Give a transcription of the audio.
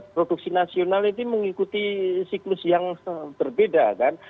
produksi nasional itu mengikuti siklus yang berbeda kan